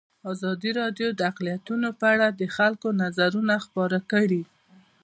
ازادي راډیو د اقلیتونه په اړه د خلکو نظرونه خپاره کړي.